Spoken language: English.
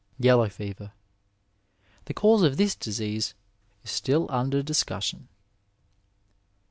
Yellow Fever. — ^The cause of this disease is still under discussion.